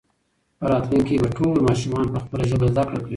په راتلونکي کې به ټول ماشومان په خپله ژبه زده کړه کوي.